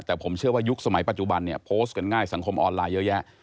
แต่ผมเชื่อว่ายุคสมัยปัจจุบันเนี่ยโพสต์กันง่ายสังคมออนไลน์เยอะแยะ